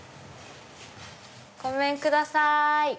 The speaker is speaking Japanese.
ごめんください。